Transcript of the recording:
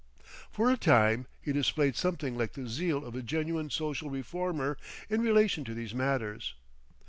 For a time he displayed something like the zeal of a genuine social reformer in relation to these matters.